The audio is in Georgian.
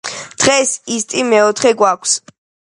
დღეს ისტი მეოთხე გვაქვს